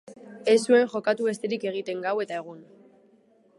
Ez zuen jokatu besterik egiten, gau eta egun.